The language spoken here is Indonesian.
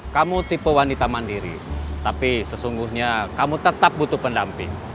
kamu tipe wanita mandiri tapi sesungguhnya kamu tetap butuh pendamping